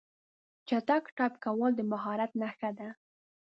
چټک ټایپ کول د مهارت نښه ده.